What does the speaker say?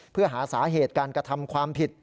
เพื่อหาสาเหตุการกระทำความผิด